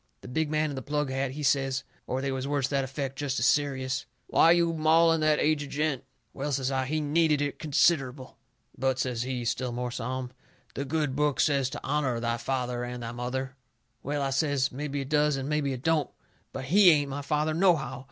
The big man in the plug hat, he says, or they was words to that effect, jest as serious: "Why are you mauling the aged gent?" "Well," says I, "he needed it considerable." "But," says he, still more solemn, "the good book says to honour thy father and thy mother." "Well," I says, "mebby it does and mebby it don't. But HE ain't my father, nohow.